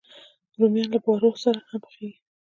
رومیان له بارو سره هم پخېږي